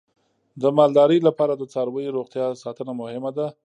د مالدارۍ لپاره د څارویو روغتیا ساتنه مهمه ده.